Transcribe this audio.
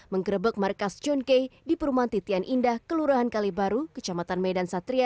menggerebek markas john kay di perumahan titian indah kelurahan kalibaru kecamatan medan satria